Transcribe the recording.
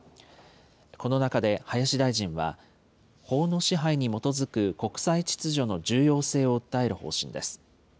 この中で林大臣は、法の支配に基づく国際秩序の重要性を訴える方針です。